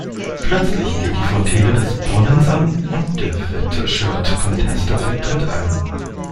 Plötzlich geht die Fontäne des Brunnens an und der Wet-T-Shirt-Contest-Effekt tritt ein.